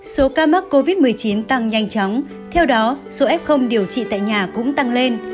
số ca mắc covid một mươi chín tăng nhanh chóng theo đó số f điều trị tại nhà cũng tăng lên